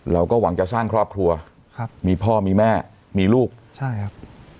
เราก็หวังจะสร้างครอบครัวครับมีพ่อมีแม่มีลูกใช่ครับ